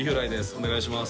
お願いします。